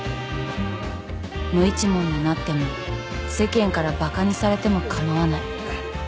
無一文になっても世間からバカにされても構わない。